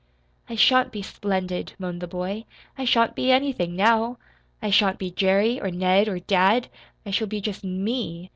"I shan't be splendid," moaned the boy. "I shan't be anything, now. I shan't be Jerry or Ned or dad. I shall be just ME.